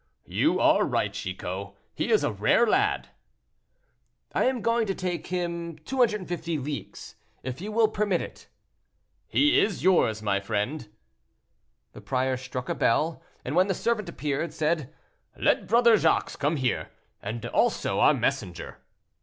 "You are right, Chicot, he is a rare lad." "I am going to take him 250 leagues, if you will permit it." "He is yours, my friend." The prior struck a bell, and when the servant appeared said, "Let Brother Jacques come here, and also our messenger."